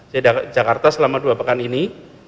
jadi jakarta selama dua pekan ini